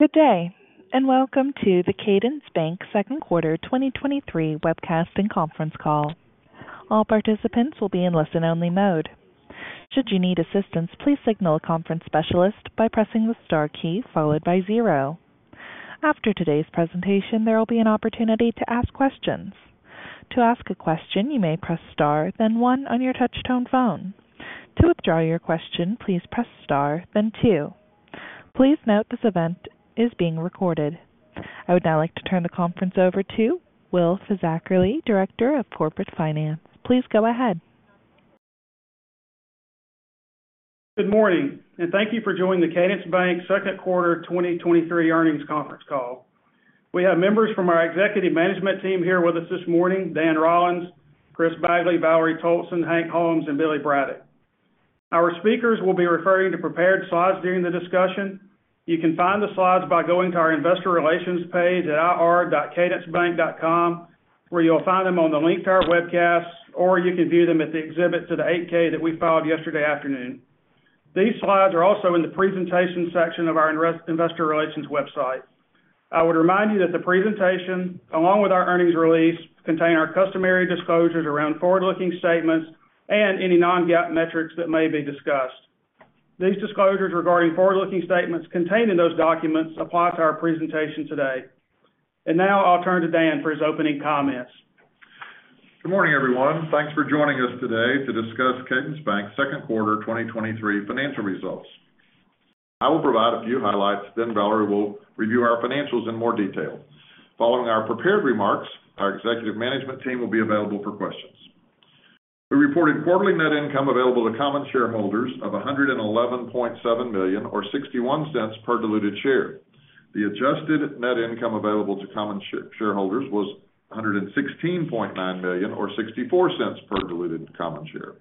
Good day. Welcome to the Cadence Bank Q2 2023 webcast and conference call. All participants will be in listen-only mode. Should you need assistance, please signal a conference specialist by pressing the star key followed by zero. After today's presentation, there will be an opportunity to ask questions. To ask a question, you may press Star, then one on your touchtone phone. To withdraw your question, please press Star, then two. Please note this event is being recorded. I would now like to turn the conference over to Will Fisackerly, Director of Corporate Finance. Please go ahead. Good morning, thank you for joining the Cadence Bank Q2 2023 earnings conference call. We have members from our executive management team here with us this morning, Dan Rollins, Chris Bagley, Valerie Toalson, Hank Holmes, and Billy Braddock. Our speakers will be referring to prepared slides during the discussion. You can find the slides by going to our investor relations page at ir.cadencebank.com, where you'll find them on the link to our webcast, or you can view them at the exhibit to the 8-K that we filed yesterday afternoon. These slides are also in the presentation section of our investor relations website. I would remind you that the presentation, along with our earnings release, contain our customary disclosures around forward-looking statements and any non-GAAP metrics that may be discussed. These disclosures regarding forward-looking statements contained in those documents apply to our presentation today. Now I'll turn to Dan for his opening comments. Good morning, everyone. Thanks for joining us today to discuss Cadence Bank's Q2 2023 financial results. I will provide a few highlights. Valerie will review our financials in more detail. Following our prepared remarks, our executive management team will be available for questions. We reported quarterly net income available to common shareholders of $111.7 million, or $0.61 per diluted share. The adjusted net income available to common shareholders was $116.9 million or $0.64 per diluted common share,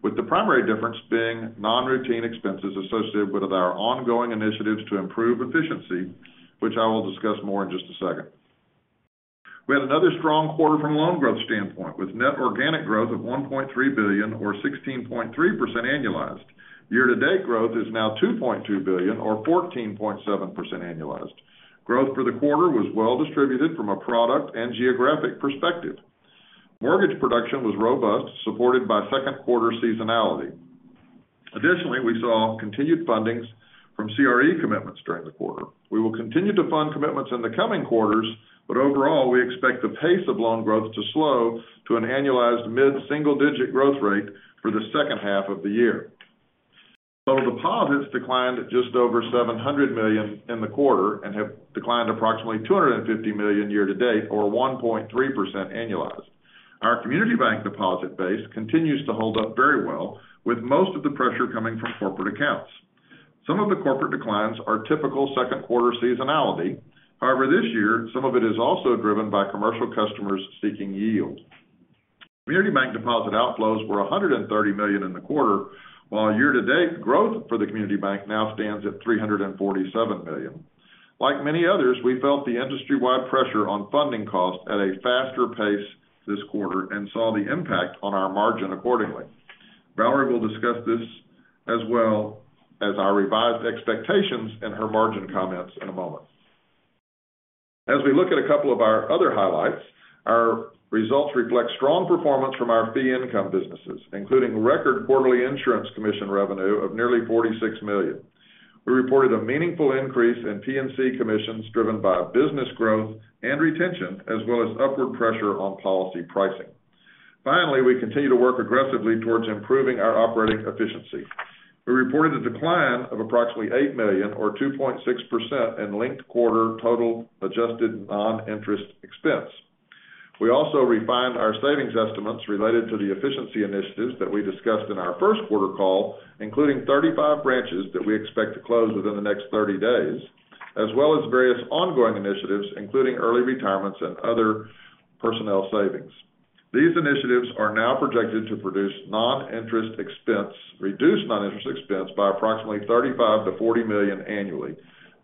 with the primary difference being non-routine expenses associated with our ongoing initiatives to improve efficiency, which I will discuss more in just a second. We had another strong quarter from a loan growth standpoint, with net organic growth of $1.3 billion or 16.3% annualized. Year-to-date growth is now $2.2 billion or 14.7% annualized. Growth for the quarter was well distributed from a product and geographic perspective. Mortgage production was robust, supported by Q2 seasonality. Additionally, we saw continued fundings from CRE commitments during the quarter. We will continue to fund commitments in the coming quarters, but overall, we expect the pace of loan growth to slow to an annualized mid-single-digit growth rate for the second half of the year. Total deposits declined just over $700 million in the quarter and have declined approximately $250 million year to date, or 1.3% annualized. Our community bank deposit base continues to hold up very well, with most of the pressure coming from corporate accounts. Some of the corporate declines are typical Q2 seasonality. This year, some of it is also driven by commercial customers seeking yield. Community bank deposit outflows were $130 million in the quarter, while year-to-date growth for the community bank now stands at $347 million. Like many others, we felt the industry-wide pressure on funding costs at a faster pace this quarter and saw the impact on our margin accordingly. Valerie will discuss this as well as our revised expectations in her margin comments in a moment. As we look at a couple of our other highlights, our results reflect strong performance from our fee income businesses, including record quarterly insurance commission revenue of nearly $46 million. We reported a meaningful increase in P&C commissions driven by business growth and retention, as well as upward pressure on policy pricing. Finally, we continue to work aggressively towards improving our operating efficiency. We reported a decline of approximately $8 million or 2.6% in linked quarter total adjusted non-interest expense. We also refined our savings estimates related to the efficiency initiatives that we discussed in our Q1 call, including 35 branches that we expect to close within the next 30 days, as well as various ongoing initiatives, including early retirements and other personnel savings. These initiatives are now projected to produce reduced non-interest expense by approximately $35 million-$40 million annually.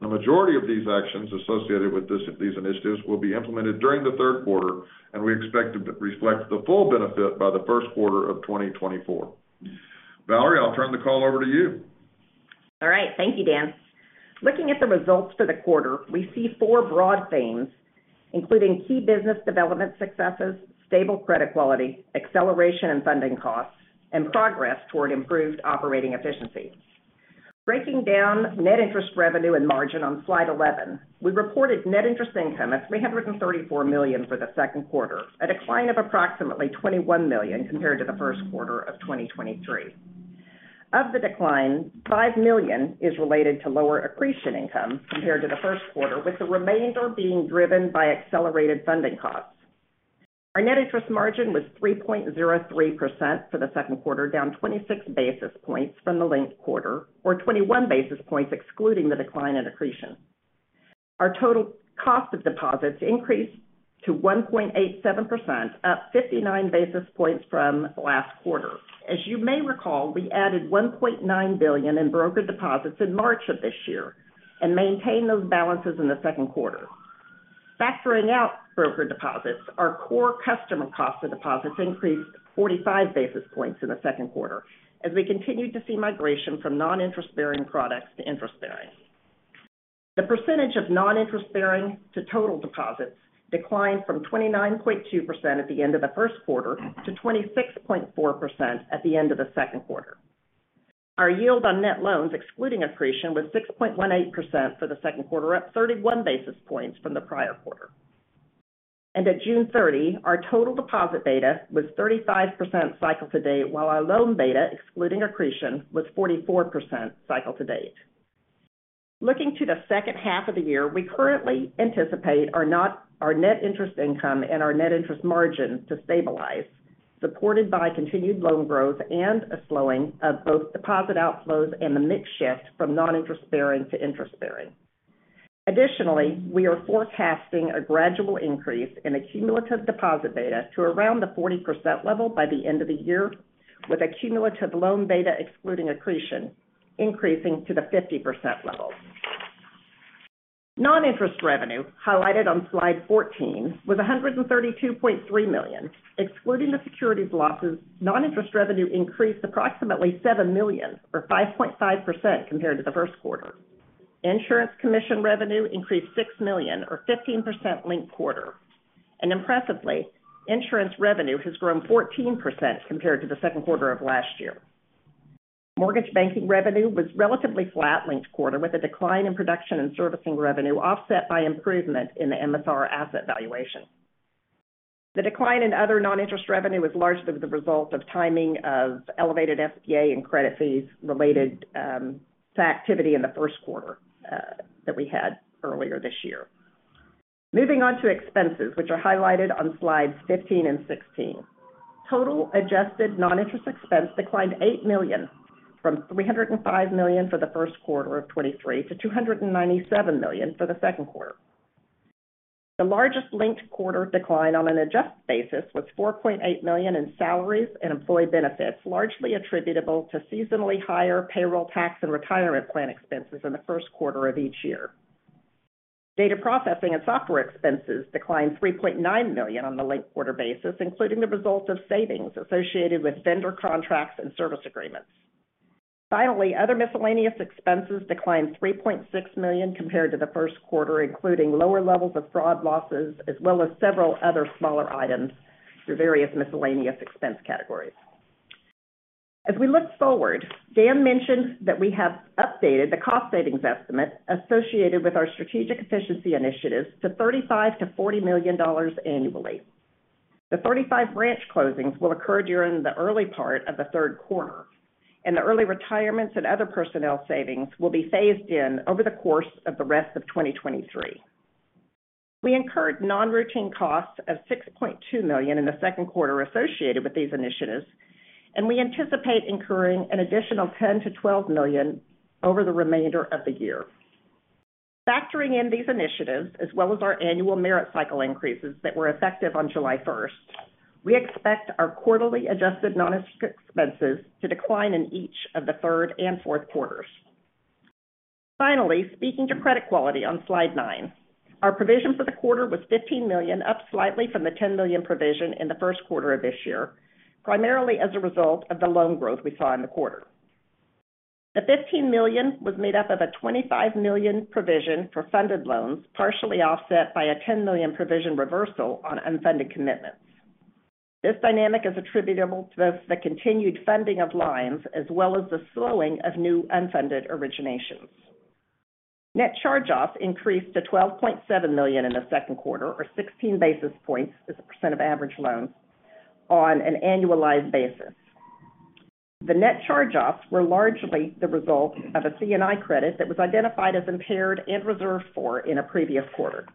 The majority of these actions associated with these initiatives will be implemented during the Q3, and we expect to reflect the full benefit by the Q1 of 2024. Valerie, I'll turn the call over to you. All right. Thank you, Dan. Looking at the results for the quarter, we see four broad themes, including key business development successes, stable credit quality, acceleration and funding costs, and progress toward improved operating efficiency. Breaking down net interest revenue and margin on slide 11, we reported net interest income at $334 million for the Q2, a decline of approximately $21 million compared to the Q1 of 2023. Of the decline, $5 million is related to lower accretion income compared to the Q1, with the remainder being driven by accelerated funding costs. Our net interest margin was 3.03% for the Q2, down 26 basis points from the linked quarter, or 21 basis points, excluding the decline in accretion. Our total cost of deposits increased to 1.87%, up 59 basis points from last quarter. As you may recall, we added $1.9 billion in brokered deposits in March of this year and maintained those balances in the Q2. Factoring out brokered deposits, our core customer cost of deposits increased 45 basis points in the Q2, as we continued to see migration from non-interest bearing products to interest bearing. The percentage of non-interest bearing to total deposits declined from 29.2% at the end of the Q1 to 26.4% at the end of the Q2. Our yield on net loans, excluding accretion, was 6.18% for the Q2, up 31 basis points from the prior quarter. At June 30, our total deposit beta was 35% cycle to date, while our loan beta, excluding accretion, was 44% cycle to date. Looking to the second half of the year, we currently anticipate our net interest income and our net interest margin to stabilize, supported by continued loan growth and a slowing of both deposit outflows and the mix shift from non-interest bearing to interest bearing. Additionally, we are forecasting a gradual increase in a cumulative deposit beta to around the 40% level by the end of the year, with a cumulative loan beta excluding accretion increasing to the 50% level. Non-interest revenue, highlighted on slide 14, was $132.3 million. Excluding the securities losses, non-interest revenue increased approximately $7 million, or 5.5% compared to the Q1. Insurance commission revenue increased $6 million, or 15% linked quarter. Impressively, insurance revenue has grown 14% compared to the Q2 of last year. Mortgage banking revenue was relatively flat linked quarter, with a decline in production and servicing revenue offset by improvement in the MSR asset valuation. The decline in other non-interest revenue was largely the result of timing of elevated FBA and credit fees related to activity in the Q1 that we had earlier this year. Moving on to expenses, which are highlighted on slides 15 and 16. Total adjusted non-interest expense declined $8 million, from $305 million for the Q1 of 2023 to $297 million for the Q2. The largest linked quarter decline on an adjusted basis was $4.8 million in salaries and employee benefits, largely attributable to seasonally higher payroll tax and retirement plan expenses in the Q1 of each year. Data processing and software expenses declined $3.9 million on the linked quarter basis, including the results of savings associated with vendor contracts and service agreements. Other miscellaneous expenses declined $3.6 million compared to the Q1, including lower levels of fraud losses, as well as several other smaller items through various miscellaneous expense categories. As we look forward, Dan mentioned that we have updated the cost savings estimate associated with our strategic efficiency initiatives to $35 million-$40 million annually. The 35 branch closings will occur during the early part of the Q3, and the early retirements and other personnel savings will be phased in over the course of the rest of 2023. We incurred non-routine costs of $6.2 million in the 2nd quarter associated with these initiatives, and we anticipate incurring an additional $10 million-$12 million over the remainder of the year. Factoring in these initiatives, as well as our annual merit cycle increases that were effective on July 1st, we expect our quarterly adjusted non-interest expenses to decline in each of the 3rd and 4th quarters. Finally, speaking to credit quality on slide 9, our provision for the quarter was $15 million, up slightly from the $10 million provision in the 1st quarter of this year, primarily as a result of the loan growth we saw in the quarter. The $15 million was made up of a $25 million provision for funded loans, partially offset by a $10 million provision reversal on unfunded commitments. This dynamic is attributable to the continued funding of lines as well as the slowing of new unfunded originations. Net charge-offs increased to $12.7 million in the Q2, or 16 basis points as a percent of average loans on an annualized basis. The net charge-offs were largely the result of a C&I credit that was identified as impaired and reserved for in a previous quarter.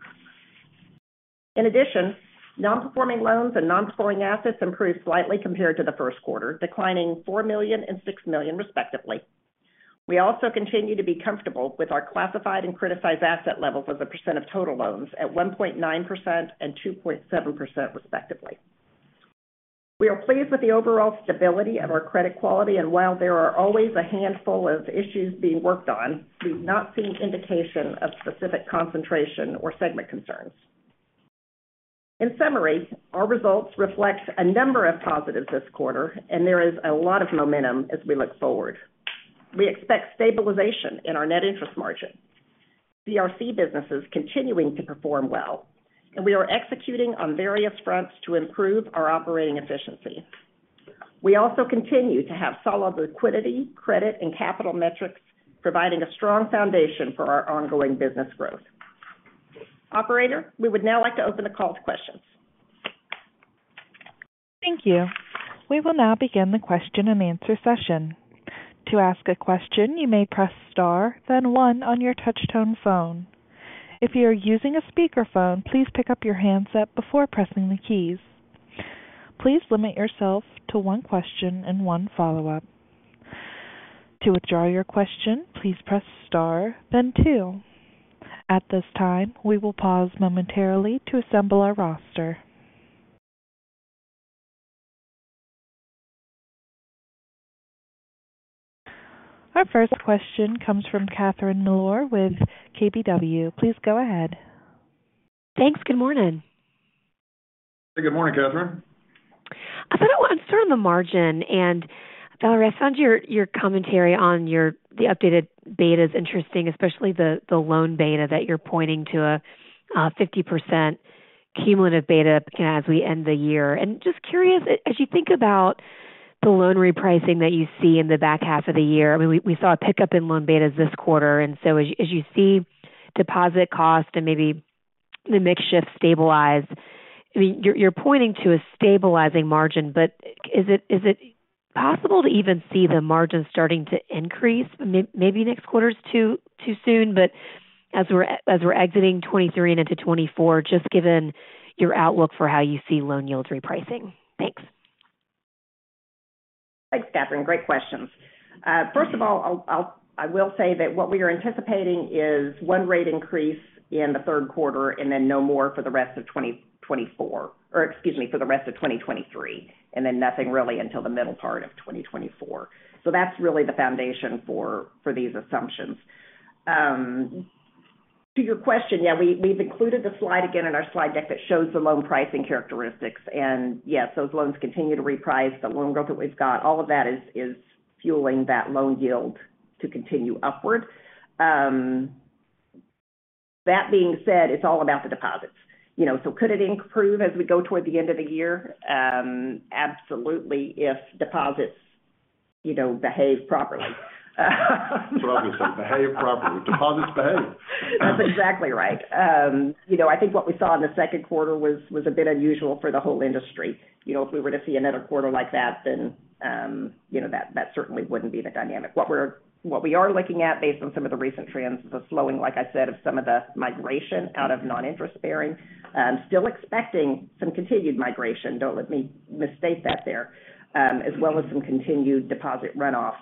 Non-performing loans and non-performing assets improved slightly compared to the Q1, declining $4 million and $6 million respectively. We also continue to be comfortable with our classified and criticized asset levels as a percent of total loans at 1.9% and 2.7%, respectively. We are pleased with the overall stability of our credit quality, while there are always a handful of issues being worked on, we've not seen indication of specific concentration or segment concerns. In summary, our results reflect a number of positives this quarter, there is a lot of momentum as we look forward. We expect stabilization in our net interest margin, CRE businesses continuing to perform well, we are executing on various fronts to improve our operating efficiency. We also continue to have solid liquidity, credit and capital metrics, providing a strong foundation for our ongoing business growth. Operator, we would now like to open the call to questions. Thank you. We will now begin the question and answer session. To ask a question, you may press star, then one on your touchtone phone. If you are using a speakerphone, please pick up your handset before pressing the keys. Please limit yourself to one question and one follow-up. To withdraw your question, please press star then two. At this time, we will pause momentarily to assemble our roster. Our first question comes from Catherine Mealor with KBW. Please go ahead. Thanks. Good morning. Good morning, Catherine. I'm sure on the margin, Valerie, I found your commentary on the updated betas interesting, especially the loan beta that you're pointing to a 50% cumulative beta as we end the year. Just curious, as you think about the loan repricing that you see in the back half of the year, I mean, we saw a pickup in loan betas this quarter, as you see deposit cost and maybe the mix shift stabilize, I mean, you're pointing to a stabilizing margin, but is it possible to even see the margin starting to increase? Maybe next quarter is too soon, but as we're exiting 2023 and into 2024, just given your outlook for how you see loan yields repricing. Thanks. Thanks, Catherine. Great questions. First of all, I will say that what we are anticipating is one rate increase in the Q3 and then no more for the rest of 2024. Or excuse me, for the rest of 2023, and then nothing really until the middle part of 2024. That's really the foundation for these assumptions. To your question, yeah, we've included the slide again in our slide deck that shows the loan pricing characteristics. Yes, those loans continue to reprice. The loan growth that we've got, all of that is fueling that loan yield to continue upward. That being said, it's all about the deposits. You know, could it improve as we go toward the end of the year? Absolutely, if deposits, you know, behave properly. Obviously, behave properly. Deposits behave. That's exactly right. You know, I think what we saw in the Q2 was a bit unusual for the whole industry. You know, if we were to see another quarter like that, then, you know, that certainly wouldn't be the dynamic. What we are looking at, based on some of the recent trends, the slowing, like I said, of some of the migration out of non-interest bearing. Still expecting some continued migration. Don't let me mistake that there, as well as some continued deposit runoff.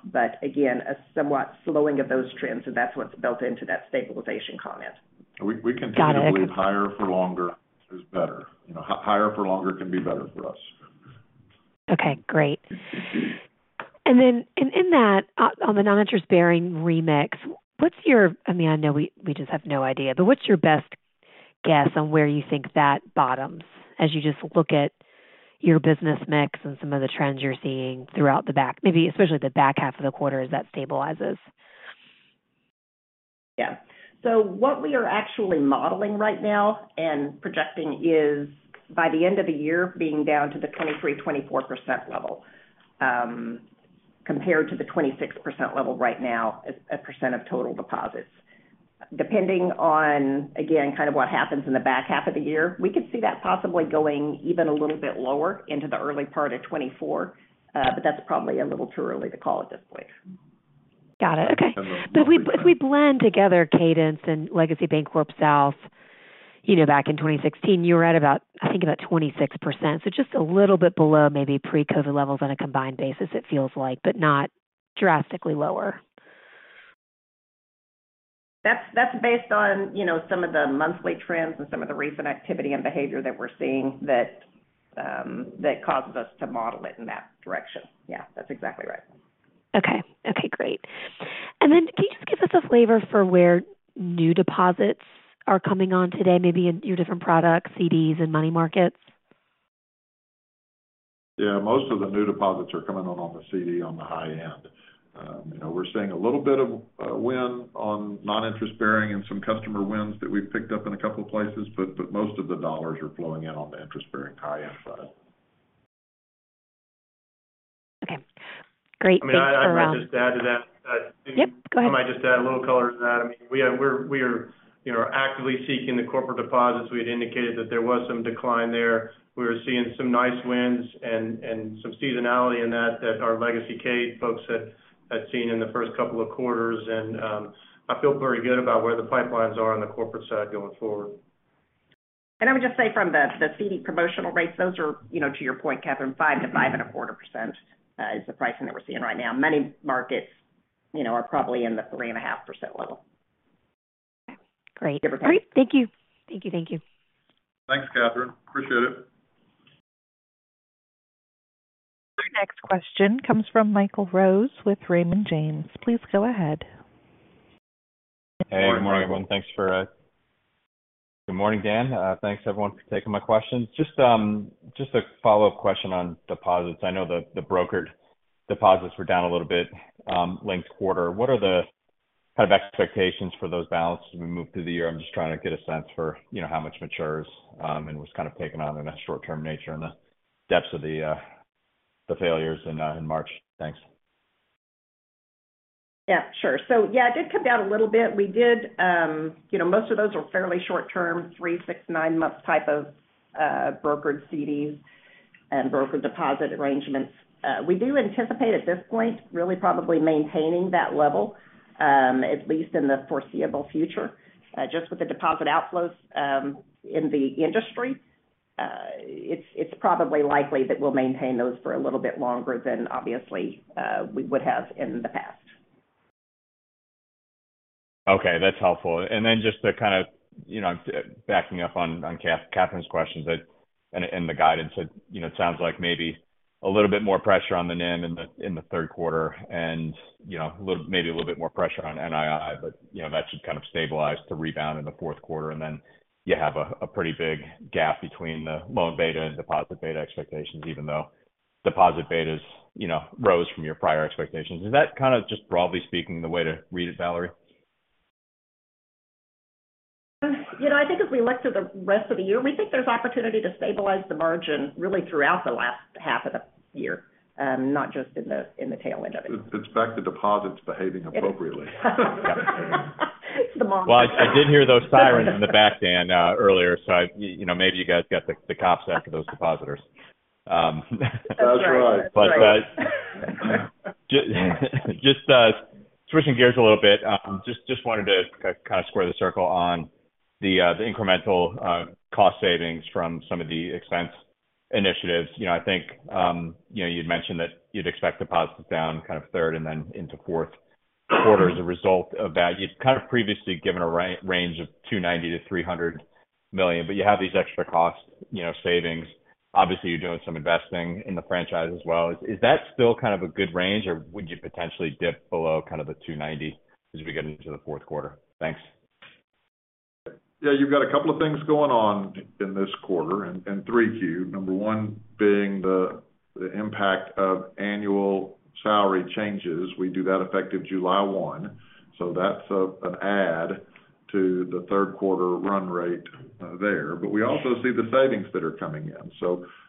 Again, a somewhat slowing of those trends, so that's what's built into that stabilization comment. Got it. We continue to believe higher for longer is better. You know, higher for longer can be better for us. Okay, great. In that, on the non-interest bearing remix, what's your... I mean, I know we just have no idea, what's your best guess on where you think that bottoms as you just look at your business mix and some of the trends you're seeing throughout maybe especially the back half of the quarter as that stabilizes? What we are actually modeling right now and projecting is by the end of the year, being down to the 23%-24% level, compared to the 26% level right now as a percent of total deposits. Depending on, again, kind of what happens in the back half of the year, we could see that possibly going even a little bit lower into the early part of 2024, but that's probably a little too early to call at this point. Got it. Okay. If we blend together Cadence and legacy BancorpSouth, you know, back in 2016, you were at about, I think, about 26%. Just a little bit below, maybe pre-COVID levels on a combined basis, it feels like, but not drastically lower. That's based on, you know, some of the monthly trends and some of the recent activity and behavior that we're seeing that causes us to model it in that direction. Yeah, that's exactly right. Okay. Okay, great. Can you just give us a flavor for where new deposits are coming on today, maybe in your different products, CDs and money markets? Most of the new deposits are coming on the CD on the high end. You know, we're seeing a little bit of win on non-interest bearing and some customer wins that we've picked up in a couple of places, but most of the dollars are flowing in on the interest-bearing high-end side. Okay, great. I mean, I might just add to that. Yep, go ahead. I might just add a little color to that. I mean, we are, you know, actively seeking the corporate deposits. We had indicated that there was some decline there. We were seeing some nice wins and some seasonality in that our legacy Cadence folks had seen in the first couple of quarters. I feel very good about where the pipelines are on the corporate side going forward. I would just say from the CD promotional rates, those are, you know, to your point, Catherine, 5%-5.25%, is the pricing that we're seeing right now. Many markets, you know, are probably in the 3.5% level. Great. Different. Great. Thank you. Thank you, thank you. Thanks, Catherine. Appreciate it. Our next question comes from Michael Rose with Raymond James. Please go ahead. Good morning, everyone. Good morning, Dan. Thanks, everyone, for taking my questions. Just a follow-up question on deposits. I know the brokered deposits were down a little bit, linked quarter. What are the kind of expectations for those balances as we move through the year? I'm just trying to get a sense for, you know, how much matures, and was kind of taken on in a short-term nature and the depths of the failures in March. Thanks. Yeah, sure. Yeah, it did come down a little bit. We did You know, most of those were fairly short term, 3,6, 9-month type of brokered CDs and brokered deposit arrangements. We do anticipate at this point, really probably maintaining that level, at least in the foreseeable future. Just with the deposit outflows in the industry, it's probably likely that we'll maintain those for a little bit longer than obviously we would have in the past. Okay, that's helpful. Just to kind of, you know, backing up on Catherine's questions that and the guidance that, you know, sounds like maybe a little bit more pressure on the NIM in the Q3 and, you know, maybe a little bit more pressure on NII, but, you know, that should kind of stabilize to rebound in the Q4. Then you have a pretty big gap between the loan beta and deposit beta expectations, even though deposit betas, you know, rose from your prior expectations. Is that kind of just broadly speaking, the way to read it, Valerie? You know, I think as we look to the rest of the year, we think there's opportunity to stabilize the margin really throughout the last half of the year, not just in the, in the tail end of it. It's back to deposits behaving appropriately. It's the moment. I did hear those sirens in the back, Dan, earlier, so I, you know, maybe you guys got the cops after those depositors. That's right. That's right. Just switching gears a little bit, just wanted to kind of square the circle on the incremental cost savings from some of the expense initiatives. You know, I think, you know, you'd mentioned that you'd expect deposits down kind of third and then into Q4 as a result of that. You'd kind of previously given a range of $290 million-$300 million, but you have these extra costs, you know, savings. Obviously, you're doing some investing in the franchise as well. Is that still kind of a good range, or would you potentially dip below kind of the $290 as we get into the Q4? Thanks. You've got a couple of things going on in this quarter and 3Q. Number one being the impact of annual salary changes. We do that effective July 1, so that's an add to the Q3 run rate there. We also see the savings that are coming in.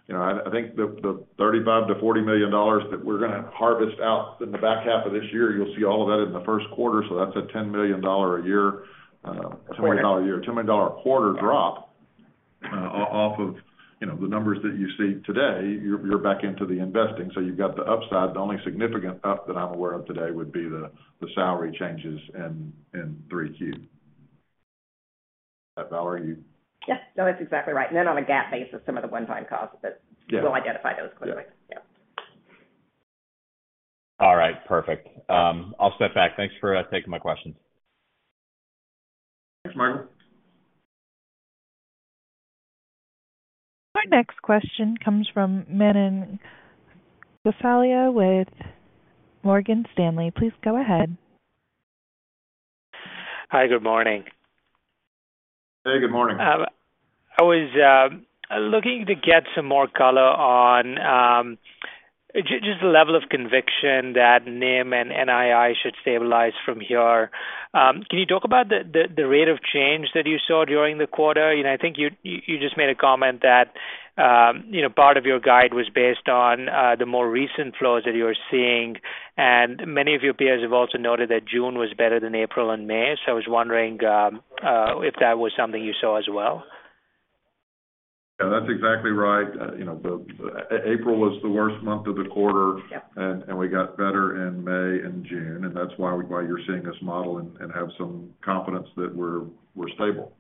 You know, I think the $35 million-$40 million that we're going to harvest out in the back half of this year, you'll see all of that in the Q1. That's a $10 million a year, $10 million a quarter drop off of, you know, the numbers that you see today, you're back into the investing. You've got the upside. The only significant up that I'm aware of today would be the salary changes in 3Q. Is that Valerie? Yes. No, that's exactly right. Then on a GAAP basis, some of the one-time costs. Yeah. We'll identify those quickly. Yeah. Yeah. All right, perfect. I'll step back. Thanks for taking my questions. Thanks, Martin. Our next question comes from Manan Gosalia with Morgan Stanley. Please go ahead. Hi, good morning. Hey, good morning. I was looking to get some more color on just the level of conviction that NIM and NII should stabilize from here. Can you talk about the rate of change that you saw during the quarter? You know, I think you just made a comment that, you know, part of your guide was based on the more recent flows that you are seeing, and many of your peers have also noted that June was better than April and May. I was wondering if that was something you saw as well? Yeah, that's exactly right. You know, April was the worst month of the quarter. Yeah. We got better in May and June, and that's why you're seeing this model and have some confidence that we're stable.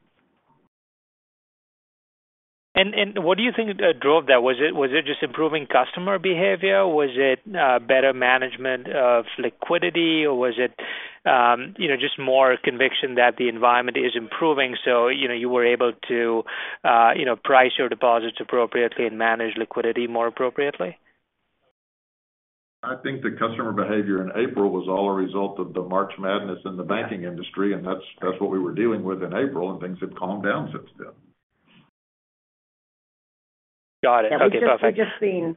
What do you think, drove that? Was it just improving customer behavior? Was it better management of liquidity? Or was it, you know, just more conviction that the environment is improving, so you know, you were able to, you know, price your deposits appropriately and manage liquidity more appropriately? I think the customer behavior in April was all a result of the March madness in the banking industry. That's what we were dealing with in April. Things have calmed down since then. Got it. Okay, perfect. We've just seen.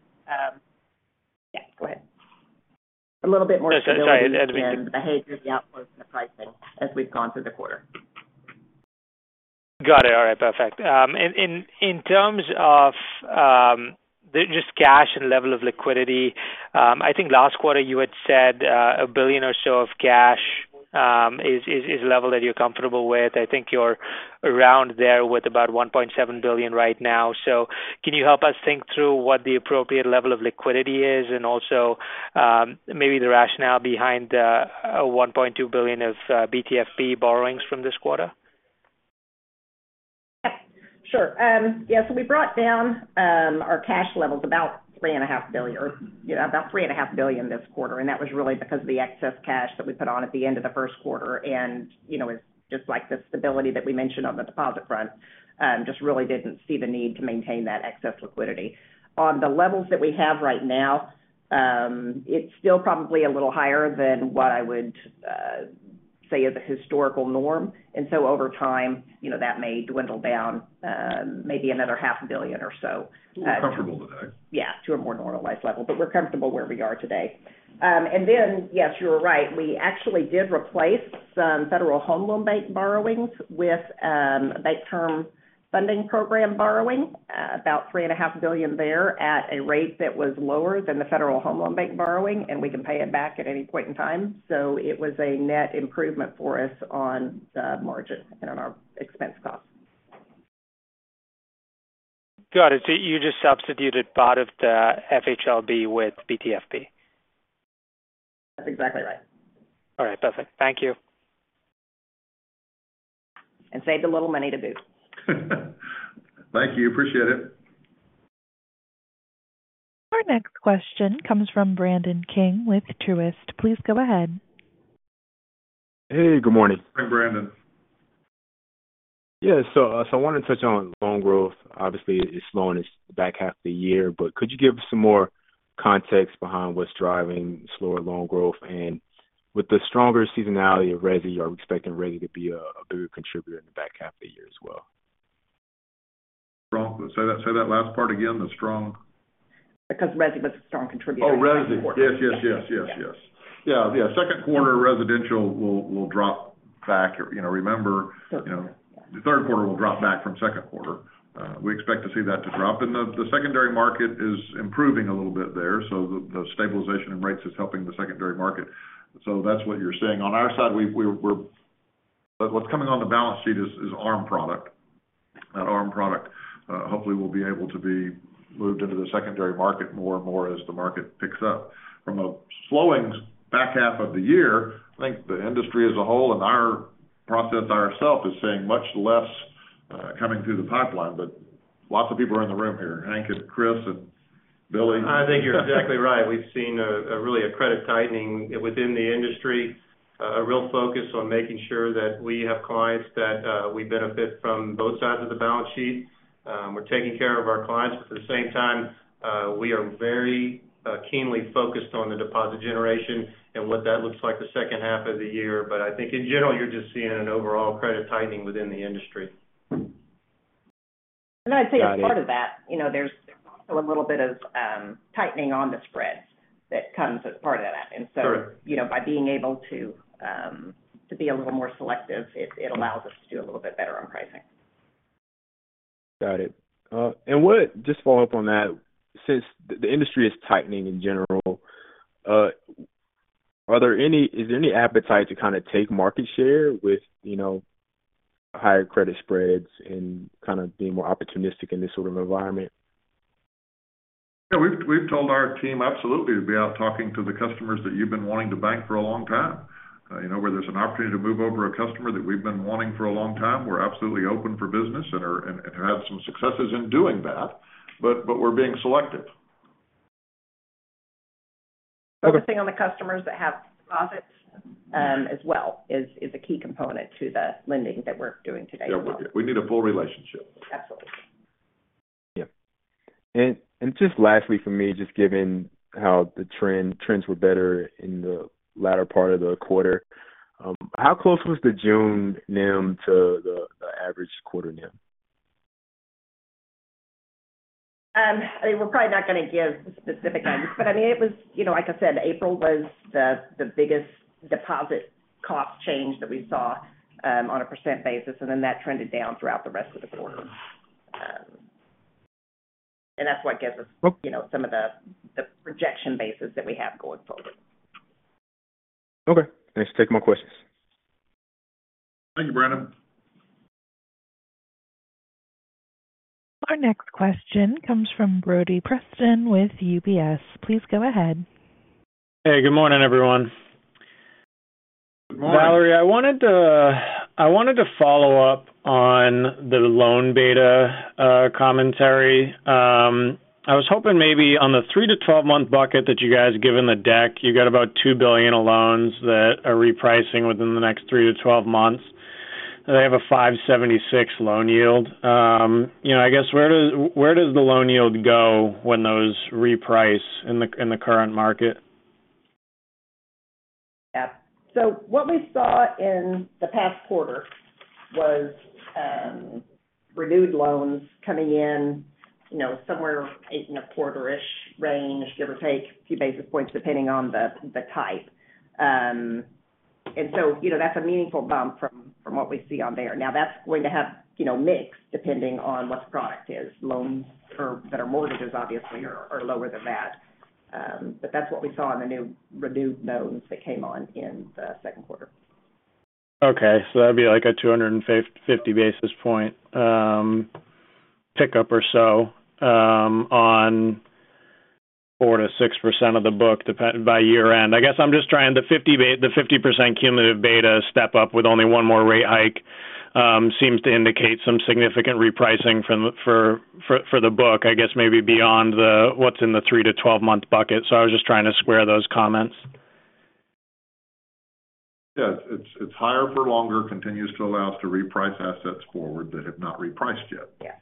Yeah, go ahead. A little bit more stability. Sorry, I was- In the behavior, the outflows, and the pricing as we've gone through the quarter. Got it. All right, perfect. In terms of the just cash and level of liquidity, I think last quarter you had said $1 billion or so of cash is a level that you're comfortable with. I think you're around there with about $1.7 billion right now. Can you help us think through what the appropriate level of liquidity is, and also, maybe the rationale behind $1.2 billion of BTFP borrowings from this quarter? Sure. Yeah, we brought down our cash levels about three and a half billion dollars, or, yeah, about three and a half billion dollars this quarter, and that was really because of the excess cash that we put on at the end of the Q1. You know, it's just like the stability that we mentioned on the deposit front, just really didn't see the need to maintain that excess liquidity. On the levels that we have right now, it's still probably a little higher than what I would say is the historical norm. Over time, you know, that may dwindle down, maybe another half a billion dollars or so. We're comfortable with that. Yeah, to a more normalized level, but we're comfortable where we are today. Yes, you are right. We actually did replace some Federal Home Loan Bank borrowings with Bank Term Funding Program borrowing, about $3.5 billion there at a rate that was lower than the Federal Home Loan Bank borrowing, and we can pay it back at any point in time. It was a net improvement for us on the margin and on our expense costs. Got it. You just substituted part of the FHLB with BTFP? That's exactly right. All right, perfect. Thank you. Saved a little money to boot. Thank you. Appreciate it. Our next question comes from Brandon King with Truist. Please go ahead. Hey, good morning. Hi, Brandon. Yeah. I wanted to touch on loan growth. Obviously, it's slowing its back half of the year, but could you give us some more context behind what's driving slower loan growth? With the stronger seasonality of resi, are we expecting resi to be a bigger contributor in the back half of the year as well? Strong. Say that last part again, the strong? Because resi was a strong contributor. Oh, resi. in the quarter. Yes. Yes, yes, yes. Yeah, yeah. Second quarter residential will drop back. You know, remember, you know, the Q3 will drop back from Q2. We expect to see that to drop. The, the secondary market is improving a little bit there, so the stabilization in rates is helping the secondary market. That's what you're seeing. On our side, what's coming on the balance sheet is ARM product. That ARM product, hopefully will be able to be moved into the secondary market more and more as the market picks up. From a slowing back half of the year, I think the industry as a whole and our process ourselves is seeing much less, coming through the pipeline, but lots of people are in the room here, Hank and Chris and Billy. I think you're exactly right. We've seen a really a credit tightening within the industry, a real focus on making sure that we have clients that we benefit from both sides of the balance sheet. We're taking care of our clients. At the same time, we are very keenly focused on the deposit generation and what that looks like the second half of the year. I think in general, you're just seeing an overall credit tightening within the industry. I'd say as part of that, you know, there's a little bit of tightening on the spreads that comes as part of that. Sure. You know, by being able to be a little more selective, it allows us to do a little bit better on pricing. Got it. Just follow up on that, since the industry is tightening in general, is there any appetite to kind of take market share with, you know, higher credit spreads and kind of being more opportunistic in this sort of environment? Yeah, we've told our team absolutely, to be out talking to the customers that you've been wanting to bank for a long time. you know, where there's an opportunity to move over a customer that we've been wanting for a long time, we're absolutely open for business and have some successes in doing that. We're being selective. Okay. Focusing on the customers that have profits, as well, is a key component to the lending that we're doing today as well. Yeah, we need a full relationship. Absolutely. Yeah. Just lastly for me, just given how the trends were better in the latter part of the quarter, how close was the June NIM to the average quarter NIM? I mean, we're probably not going to give specific numbers, but I mean, you know, like I said, April was the biggest deposit cost change that we saw, on a % basis, and then that trended down throughout the rest of the quarter. That's what gives us... Okay. you know, some of the projection basis that we have going forward. Okay. Thanks. Take more questions. Thank you, Brandon. Our next question comes from Brody Preston with UBS. Please go ahead. Hey, good morning, everyone. Good morning. Valerie, I wanted to follow up on the loan beta commentary. I was hoping maybe on the 3-12 month bucket that you guys give in the deck, you got about $2 billion of loans that are repricing within the next 3-12 months, and they have a 5.76% loan yield, you know, I guess, where does the loan yield go when those reprice in the, in the current market? Yeah. What we saw in the past quarter was renewed loans coming in, you know, somewhere in a quarter-ish range, give or take a few basis points, depending on the type. That's a meaningful bump from what we see on there. Now, that's going to have, you know, mix depending on what the product is. Loans or better mortgages obviously are lower than that. That's what we saw in the renewed loans that came on in the Q2. Okay. That'd be like a 250 basis point pickup or so on 4%-6% of the book by year-end. I guess I'm just trying, the 50% cumulative beta step up with only one more rate hike seems to indicate some significant repricing from the book, I guess maybe beyond the, what's in the 3-12 month bucket. I was just trying to square those comments. Yeah. It's higher for longer, continues to allow us to reprice assets forward that have not repriced yet. Yes.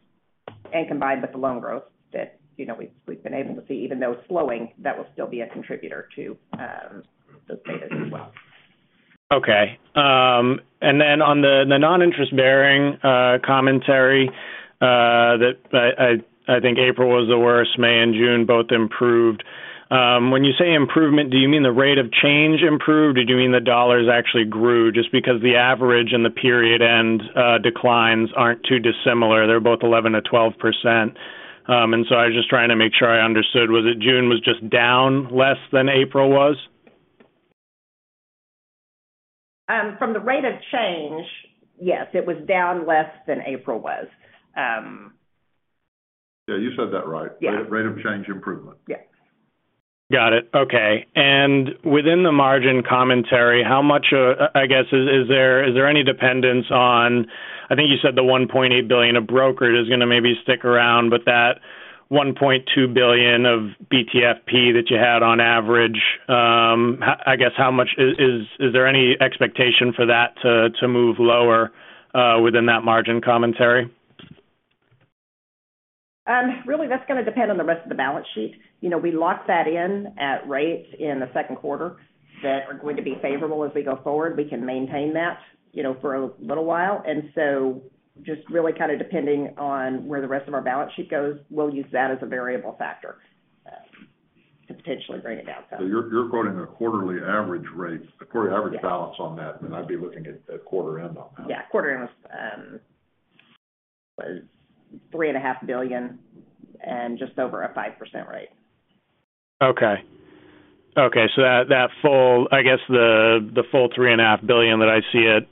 Combined with the loan growth that, you know, we've been able to see, even though it's slowing, that will still be a contributor to those betas as well. Okay. On the non-interest bearing commentary, that I think April was the worst, May and June both improved. When you say improvement, do you mean the rate of change improved, or do you mean the dollars actually grew? Just because the average and the period-end declines aren't too dissimilar. They're both 11% to 12%. I was just trying to make sure I understood. Was it June was just down less than April was? From the rate of change, yes, it was down less than April was. Yeah, you said that right. Yeah. Rate of change improvement. Yes. Got it. Okay. Within the margin commentary, how much, I guess, is there any dependence on, I think you said the $1.8 billion of brokerage is going to maybe stick around, but that $1.2 billion of BTFP that you had on average, I guess, how much is there any expectation for that to move lower within that margin commentary? Really, that's going to depend on the rest of the balance sheet. You know, we locked that in at rates in the Q2 that are going to be favorable as we go forward. We can maintain that, you know, for a little while. Just really kind of depending on where the rest of our balance sheet goes, we'll use that as a variable factor to potentially bring it down. You're quoting a quarterly average rate. Yeah -balance on that, and I'd be looking at the quarter end on that. Yeah, quarter end was $ three and a half billion and just over a 5% rate. Okay. Okay, that I guess, the full three and a half billion that I see at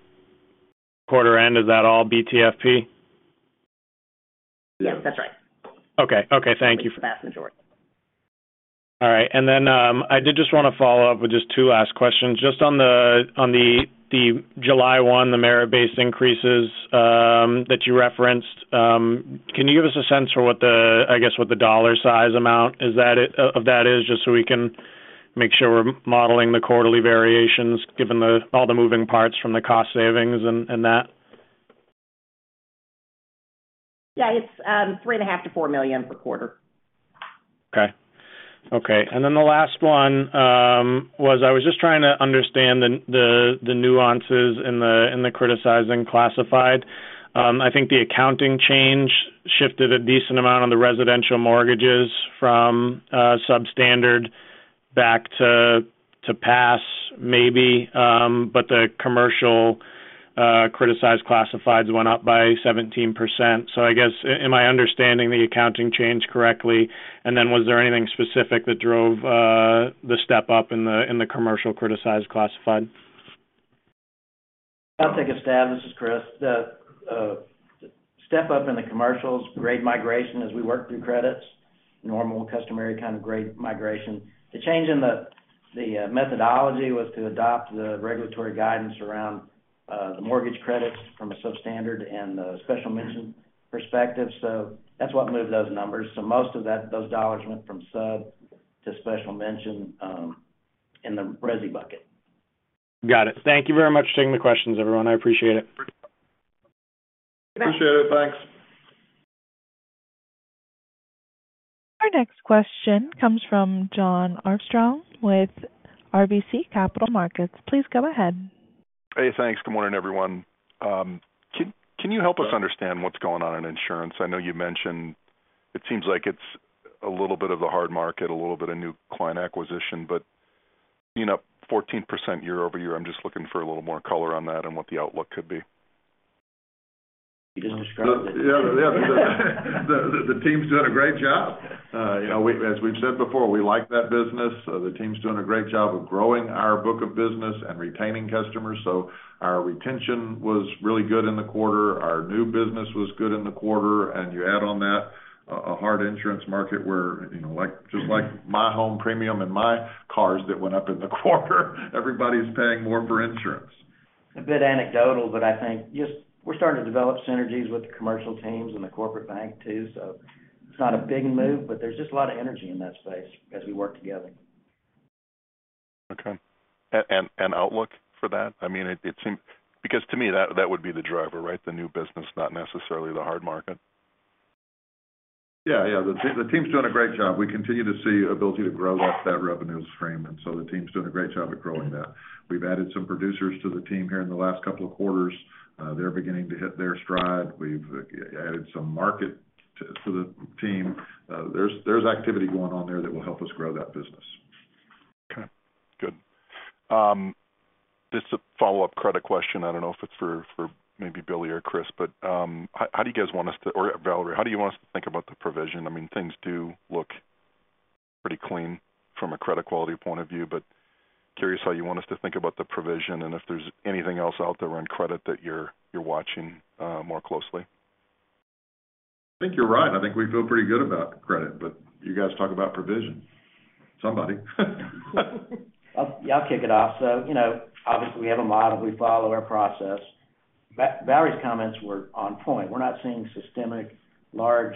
quarter end, is that all BTFP? Yeah, that's right. Okay. Okay, thank you. The vast majority. All right. I did just want to follow up with just 2 last questions. Just on the, on the July 1, the merit-based increases, that you referenced, can you give us a sense for what the, I guess, what the dollar size amount, is that it, of that is, just so we can make sure we're modeling the quarterly variations, given the, all the moving parts from the cost savings and that? Yeah, it's three and a half million-$4 million per quarter. Okay. Okay, the last one was I was just trying to understand the nuances in the criticized classified. I think the accounting change shifted a decent amount on the residential mortgages from substandard back to pass, maybe, but the commercial criticized classifieds went up by 17%. I guess, am I understanding the accounting change correctly? Was there anything specific that drove the step up in the commercial criticized classified? I'll take a stab. This is Chris. The step up in the commercials, grade migration as we work through credits, normal, customary kind of grade migration. The change in the methodology was to adopt the regulatory guidance around the mortgage credits from a substandard and the special mention perspective. That's what moved those numbers. Most of that, those dollars went from sub to special mention in the resi bucket. Got it. Thank you very much for taking the questions, everyone. I appreciate it. Appreciate it. Thanks. Our next question comes from Jon Arfstrom with RBC Capital Markets. Please go ahead. Hey, thanks. Good morning, everyone. Can you help us understand what's going on in insurance? I know you mentioned it seems like it's a little bit of a hard market, a little bit of new client acquisition, but being up 14% year-over-year, I'm just looking for a little more color on that and what the outlook could be. You just described it. Yeah. The team's doing a great job. You know, as we've said before, we like that business. The team's doing a great job of growing our book of business and retaining customers. Our retention was really good in the quarter. Our new business was good in the quarter, and you add on that a hard insurance market where, you know, like, just like my home premium and my cars that went up in the quarter, everybody's paying more for insurance. A bit anecdotal, but I think just we're starting to develop synergies with the commercial teams and the corporate bank, too. It's not a big move, but there's just a lot of energy in that space as we work together. Okay. Outlook for that? I mean, because to me, that would be the driver, right? The new business, not necessarily the hard market. Yeah. The team's doing a great job. We continue to see ability to grow up that revenues frame. The team's doing a great job at growing that. We've added some producers to the team here in the last couple of quarters. They're beginning to hit their stride. We've added some market to the team. There's activity going on there that will help us grow that business. Okay, good. Just a follow-up credit question. I don't know if it's for maybe Billy or Chris, but how do you guys want us to or Valerie, how do you want us to think about the provision? I mean, things do look pretty clean from a credit quality point of view, but curious how you want us to think about the provision and if there's anything else out there on credit that you're watching more closely. I think you're right. I think we feel pretty good about credit. You guys talk about provision. Somebody. I'll kick it off. You know, obviously, we have a model. We follow our process. Valerie's comments were on point. We're not seeing systemic, large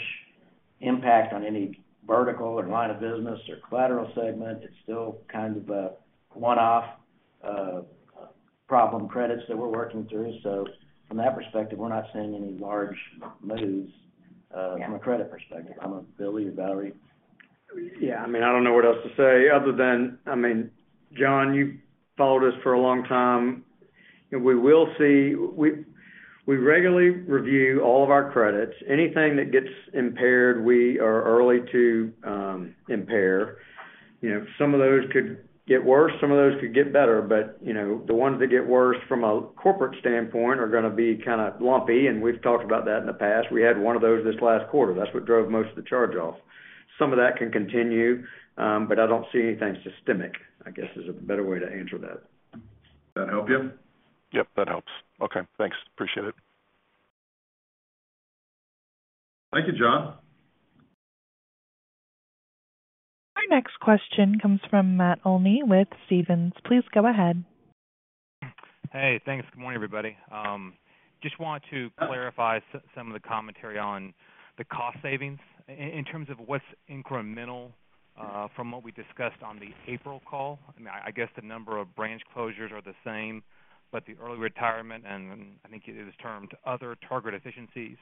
impact on any vertical or line of business or collateral segment. It's still kind of a one-off, problem credits that we're working through. From that perspective, we're not seeing any large moves. Yeah from a credit perspective. I don't know, Billy or Valerie? I mean, I don't know what else to say other than, I mean, Jon, you've followed us for a long time. We regularly review all of our credits. Anything that gets impaired, we are early to impair. You know, some of those could get worse, some of those could get better. You know, the ones that get worse from a corporate standpoint are going to be kind of lumpy. We've talked about that in the past. We had one of those this last quarter. That's what drove most of the charge-off. Some of that can continue. I don't see anything systemic, I guess, is a better way to answer that. That help you? Yep, that helps. Okay, thanks. Appreciate it. Thank you, Jon. Our next question comes from Matt Olney with Stephens. Please go ahead. Hey, thanks. Good morning, everybody. Just wanted to clarify some of the commentary on the cost savings in terms of what's incremental from what we discussed on the April call. I mean, I guess the number of branch closures are the same, but the early retirement, and then I think it is termed other target efficiencies,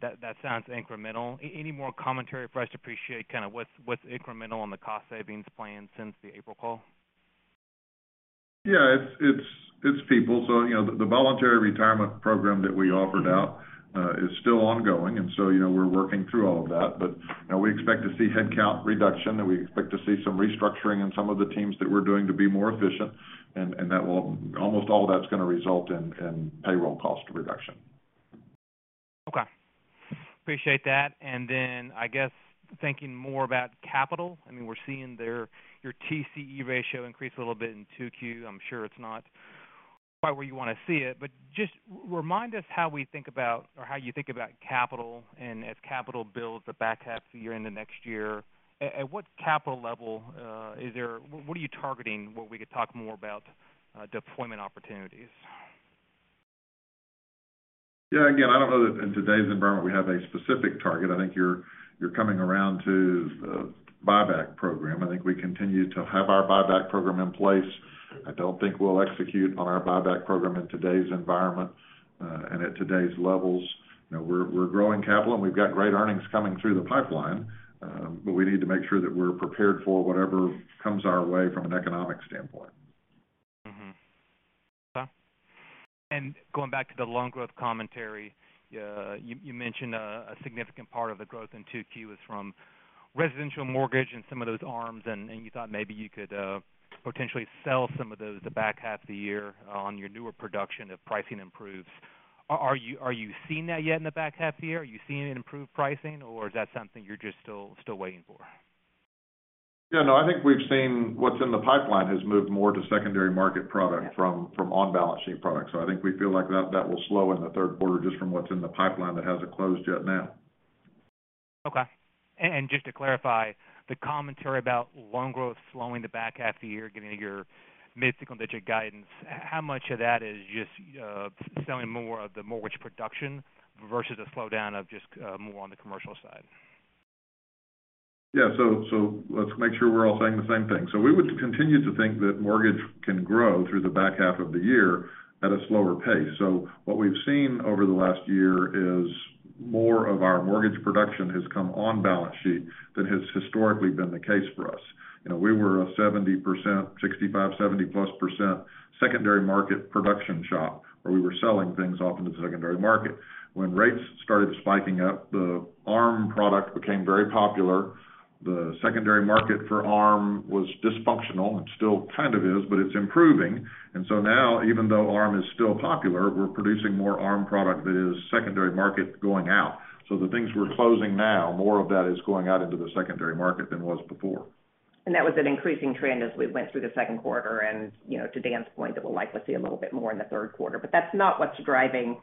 that sounds incremental. Any more commentary for us to appreciate kind of what's incremental on the cost savings plan since the April call? Yeah, it's people. You know, the voluntary retirement program that we offered out is still ongoing, you know, we're working through all of that. You know, we expect to see headcount reduction, and we expect to see some restructuring in some of the teams that we're doing to be more efficient, and that will almost all of that's going to result in payroll cost reduction. Okay. Appreciate that. I guess, thinking more about capital, I mean, we're seeing your TCE ratio increase a little bit in 2Q. I'm sure it's not quite where you want to see it, but just remind us how we think about or how you think about capital, and as capital builds the back half of the year into next year, at what capital level, what are you targeting, where we could talk more about deployment opportunities? Yeah, again, I don't know that in today's environment, we have a specific target. I think you're coming around to, the buyback program. I think we continue to have our buyback program in place. I don't think we'll execute on our buyback program in today's environment, and at today's levels. You know, we're growing capital, and we've got great earnings coming through the pipeline. We need to make sure that we're prepared for whatever comes our way from an economic standpoint. Mm-hmm. Okay. Going back to the loan growth commentary, you mentioned a significant part of the growth in 2Q is from residential mortgage and some of those ARMs, and you thought maybe you could potentially sell some of those the back half of the year on your newer production if pricing improves. Are you seeing that yet in the back half of the year? Are you seeing an improved pricing, or is that something you're just still waiting for? Yeah, no, I think we've seen what's in the pipeline has moved more to secondary market product- Yeah... from on-balance sheet products. I think we feel like that will slow in the Q3 just from what's in the pipeline that hasn't closed yet now. Okay. Just to clarify, the commentary about loan growth slowing the back half of the year, given your mid-single-digit guidance, how much of that is just selling more of the mortgage production versus a slowdown of just more on the commercial side? Yeah. Let's make sure we're all saying the same thing. We would continue to think that mortgage can grow through the back half of the year at a slower pace. What we've seen over the last year is more of our mortgage production has come on balance sheet than has historically been the case for us. You know, we were a 70%, 65%, 70%+ secondary market production shop, where we were selling things off into the secondary market. When rates started spiking up, the ARM product became very popular. The secondary market for ARM was dysfunctional, and still kind of is, but it's improving. Now, even though ARM is still popular, we're producing more ARM product that is secondary market going out. The things we're closing now, more of that is going out into the secondary market than was before. That was an increasing trend as we went through the Q2. You know, to Dan's point, that we'll likely see a little bit more in the Q3. That's not what's driving.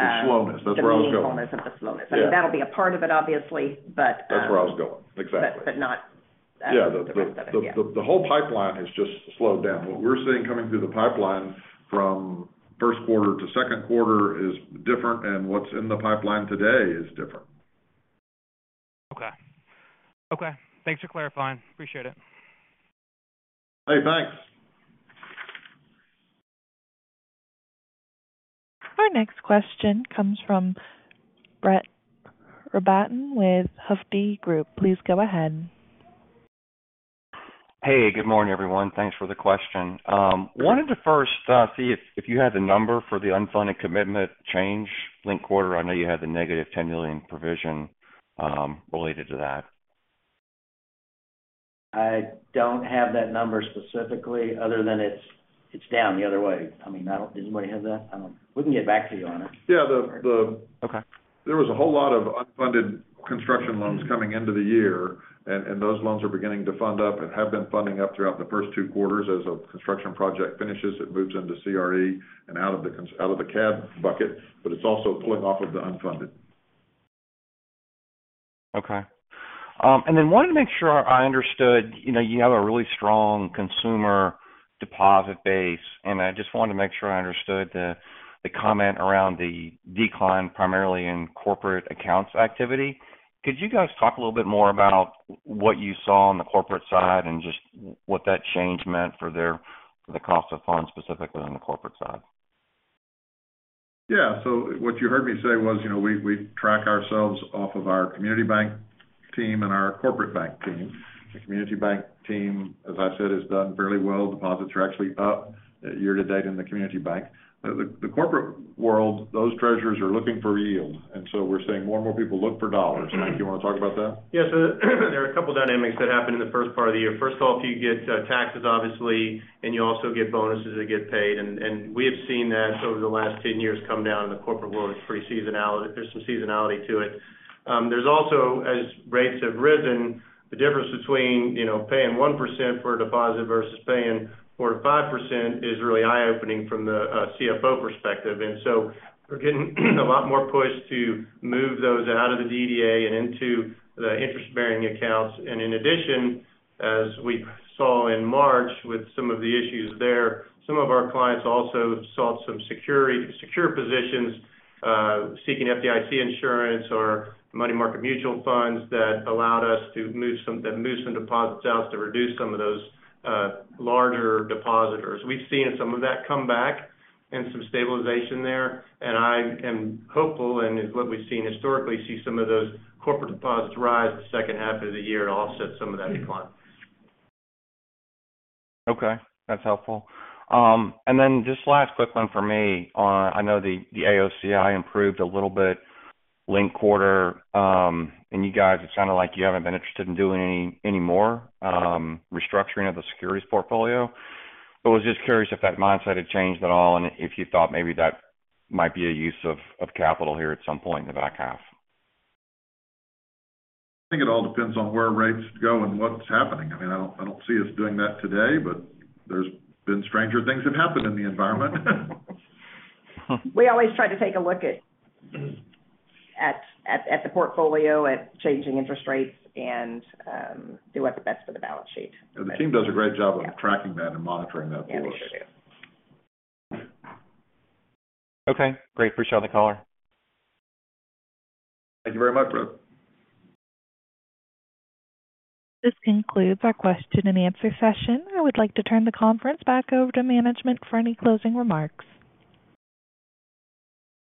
The slowness. That's where I was going. The main fullness of the slowness. Yeah. I mean, that'll be a part of it, obviously, but. That's where I was going. Exactly. But, but not- Yeah the rest of it. Yeah. The whole pipeline has just slowed down. What we're seeing coming through the pipeline from Q1 to Q2 is different. What's in the pipeline today is different. Okay. Okay, thanks for clarifying. Appreciate it. Hey, thanks. Our next question comes from Brett Rabatin with Hovde Group. Please go ahead. Hey, good morning, everyone. Thanks for the question. wanted to first, see if you had the number for the unfunded commitment change linked quarter. I know you had the negative $10 million provision, related to that. I don't have that number specifically, other than it's down the other way. I mean, anybody have that? I don't. We can get back to you on it. Yeah, the. Okay. There was a whole lot of unfunded construction loans coming into the year, and those loans are beginning to fund up and have been funding up throughout the first 2 quarters. As a construction project finishes, it moves into CRE and out of the C&I bucket, it's also pulling off of the unfunded. Okay. Wanted to make sure I understood, you know, you have a really strong consumer deposit base, and I just wanted to make sure I understood the comment around the decline, primarily in corporate accounts activity. Could you guys talk a little bit more about what you saw on the corporate side and just what that change meant for their, for the cost of funds, specifically on the corporate side? Yeah. What you heard me say was, you know, we track ourselves off of our community bank team and our corporate bank team. The community bank team, as I said, has done fairly well. Deposits are actually up year to date in the community bank. The corporate world, those treasurers are looking for yield, and so we're seeing more and more people look for dollars. Dan, do you want to talk about that? There are a couple dynamics that happened in the first part of the year. First of all, you get taxes, obviously, and you also get bonuses that get paid, and we have seen that over the last 10 years, come down in the corporate world. It's pretty seasonality. There's some seasonality to it. There's also, as rates have risen, the difference between, you know, paying 1% for a deposit versus paying 4%-5% is really eye-opening from the CFO perspective. We're getting a lot more push to move those out of the DDA and into the interest-bearing accounts. In addition, as we saw in March with some of the issues there, some of our clients also sought secure positions, seeking FDIC insurance or money market mutual funds that move some deposits out to reduce some of those larger depositors. We've seen some of that come back, and some stabilization there. I am hopeful, and is what we've seen historically, see some of those corporate deposits rise the second half of the year to offset some of that decline. Okay, that's helpful. Just last quick one for me. I know the AOCI improved a little bit linked quarter, and you guys, it's kinda like you haven't been interested in doing any more restructuring of the securities portfolio. I was just curious if that mindset had changed at all, and if you thought maybe that might be a use of capital here at some point in the back half. I think it all depends on where rates go and what's happening. I mean, I don't see us doing that today, but there's been stranger things that happened in the environment. We always try to take a look at the portfolio, at changing interest rates and do what's best for the balance sheet. The team does a great job of tracking that and monitoring that for us. Yeah, they sure do. Okay, great. Appreciate on the caller. Thank you very much, bro. This concludes our question and answer session. I would like to turn the conference back over to management for any closing remarks.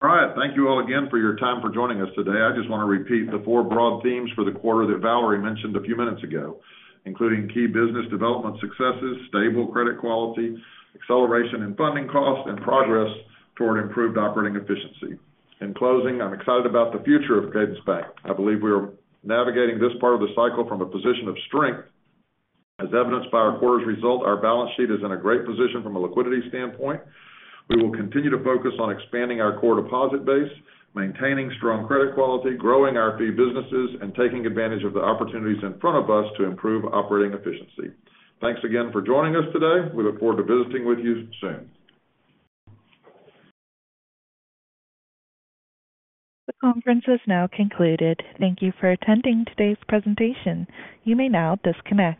All right. Thank you all again for your time for joining us today. I just want to repeat the four broad themes for the quarter that Valerie mentioned a few minutes ago, including key business development successes, stable credit quality, acceleration in funding costs, and progress toward improved operating efficiency. In closing, I'm excited about the future of Cadence Bank. I believe we are navigating this part of the cycle from a position of strength. As evidenced by our quarter's result, our balance sheet is in a great position from a liquidity standpoint. We will continue to focus on expanding our core deposit base, maintaining strong credit quality, growing our fee businesses, and taking advantage of the opportunities in front of us to improve operating efficiency. Thanks again for joining us today. We look forward to visiting with you soon. The conference is now concluded. Thank you for attending today's presentation. You may now disconnect.